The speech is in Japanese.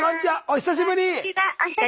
久しぶり。